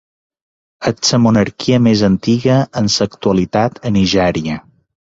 És la monarquia més antiga en l'actualitat a Nigèria.